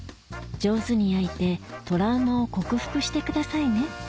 上手に焼いてトラウマを克服してくださいね